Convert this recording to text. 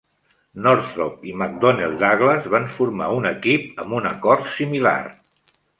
Northrop i McDonnell Douglas van formar un equip amb un acord similar.